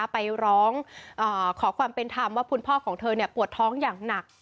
ไปร้องขอความเป็นธรรมว่าคุณพ่อของเธอปวดท้องอย่างหนัก